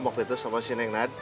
waktu itu sama si neng nad